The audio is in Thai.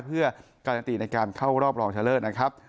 เพื่อการันตีในการเข้ารอบรองชะเลิศนะครับ